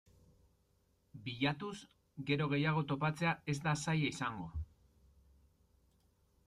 Bilatuz gero gehiago topatzea ez da zaila izango.